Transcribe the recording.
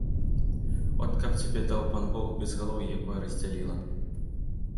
От каб цябе, даў пан бог, безгалоўе якое раздзяліла!